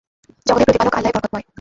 জগতের প্রতিপালক আল্লাহই বরকতময়।